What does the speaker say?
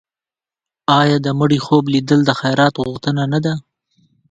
آیا د مړي خوب لیدل د خیرات غوښتنه نه ده؟